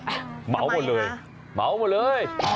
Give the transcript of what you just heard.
ทำไมฮะฮะเหมาะหมดเลย